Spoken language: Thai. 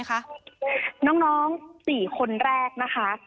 น้อง๔คนแรกนะคะ